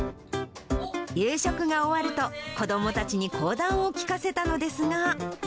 夕食が終わると、子どもたちに講談を聞かせたのですが。